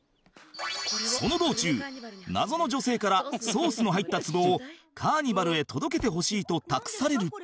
その道中謎の女性からソースの入ったつぼをカーニバルへ届けてほしいと託される